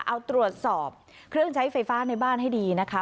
เอาตรวจสอบเครื่องใช้ไฟฟ้าในบ้านให้ดีนะคะ